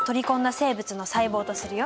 生物の細胞とするよ。